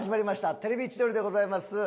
『テレビ千鳥』でございます。